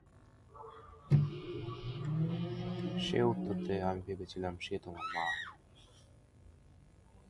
সে উত্তর দেয়: আমি ভেবেছিলাম সে তোমার মা!